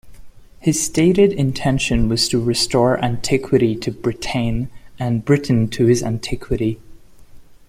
His stated intention was to "restore antiquity to Britaine, and Britain to his antiquity".